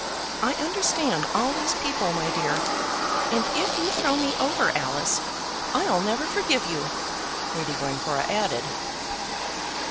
I understand all these people, my dear. And if you throw me over, Alice, I'll never forgive you," Lady Glencora added.